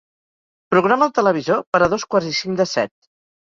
Programa el televisor per a dos quarts i cinc de set.